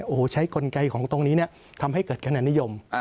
โอ้โหใช้กลไกของตรงนี้เนี่ยทำให้เกิดขนาดนิยม